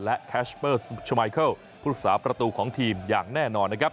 และแคชเปอร์ซูชาไมเคิลผู้ศึกษาประตูของทีมอย่างแน่นอน